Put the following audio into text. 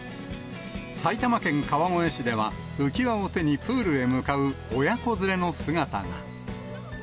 埼玉県川越市では、浮き輪を手にプールへ向かう親子連れの姿が。